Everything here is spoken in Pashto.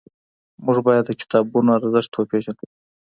موږ باید د کتابونو ارزښت وپېژنو.